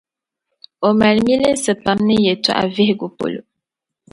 O mali milinsi pam ni yɛtɔɣa vihigu polo.